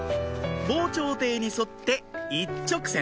防潮堤に沿って一直線